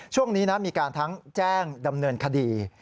ช่วงนี้นะมีการทั้งแจ้งดำเนินคดี